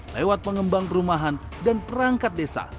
lewat pengembang perumahan dan perangkat desa